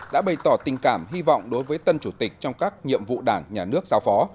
đã bày tỏ tình cảm hy vọng đối với tân chủ tịch trong các nhiệm vụ đảng nhà nước giao phó